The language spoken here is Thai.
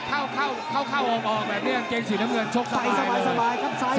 ตามต่อยกที่๓ครับ